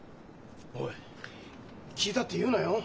おい「聞いた」って言うなよ。